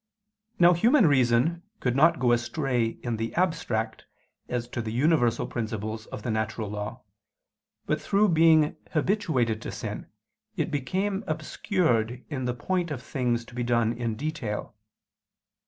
Now human reason could not go astray in the abstract, as to the universal principles of the natural law; but through being habituated to sin, it became obscured in the point of things to be done in detail.